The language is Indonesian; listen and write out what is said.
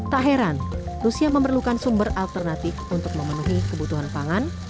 tak heran rusia memerlukan sumber alternatif untuk memenuhi kebutuhan pangan